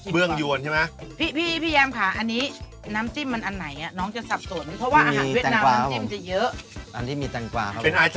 เคล็ดของกับอันนี้คือไรครับพี่ยังคะ